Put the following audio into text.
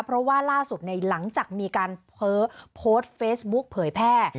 เพราะว่าล่าสุดหลังจากมีการโพสต์โพสต์เฟซบุ๊กเผยแพร่